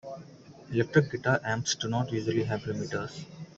Electric guitar amps do not usually have limiters.